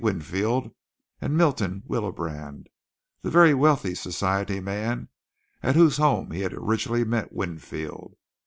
Winfield, and Milton Willebrand, the very wealthy society man at whose home he had originally met Winfield.